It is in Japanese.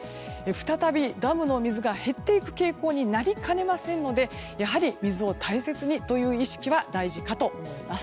再びダムの水が減っていく傾向になりかねませんのでやはり水を大切にという意識は大事かと思います。